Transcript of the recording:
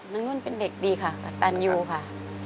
น้องนุ่นเป็นเด็กดีค่ะตันอยู่ค่ะ